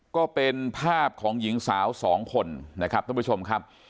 ก็เป็นภาพของหญิงสาวสองคนนะครับท่านผู้ชมครับ